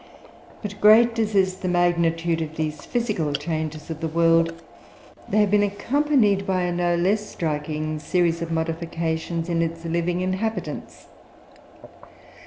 But, great as is the magnitude of these physical changes of the world, they have been accompanied by a no less striking series of modifications in its living inhabitants.